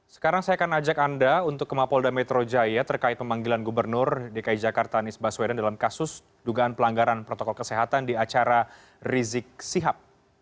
sekarang saya akan ajak anda untuk ke mapolda metro jaya terkait pemanggilan gubernur dki jakarta anies baswedan dalam kasus dugaan pelanggaran protokol kesehatan di acara rizik sihab